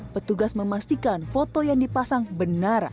petugas memastikan foto yang dipasang benar